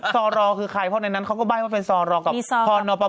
ซอรอคือใครเพราะในนั้นเขาก็ใบ้ว่าเป็นซอรอกับพนป